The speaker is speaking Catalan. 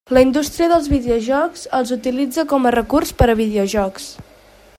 La indústria dels videojocs els utilitza com a recurs per a videojocs.